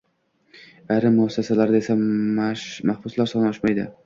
Ayrim muassasalarda esa mahbuslar soni oshmaydi.